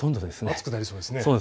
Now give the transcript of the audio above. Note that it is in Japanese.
暑くなりそうですね。